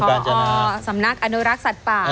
พอสำนักอนุรักษ์สัตว์ป่า